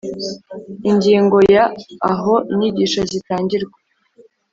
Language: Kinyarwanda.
Ingingo ya aho inyigisho zitangirwa